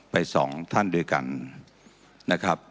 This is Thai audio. สองท่านด้วยกันนะครับ